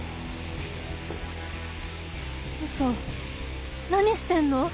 ウソなにしてんの？